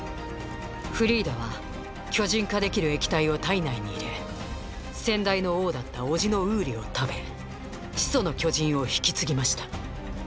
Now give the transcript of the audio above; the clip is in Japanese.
フリーダは巨人化できる液体を体内に入れ先代の王だった叔父のウーリを食べ「始祖の巨人」を引き継ぎました。